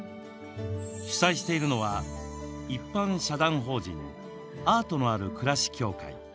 主催しているのは一般社団法人アートのある暮らし協会。